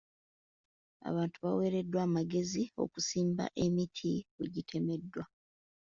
Abantu baaweereddwa amagezi okusimba emiti we gitemeddwa.